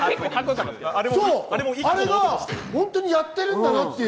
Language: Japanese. あれがやってるんだなって。